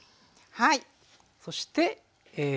はい。